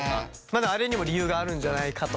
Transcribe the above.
あれにも理由があるんじゃないかと。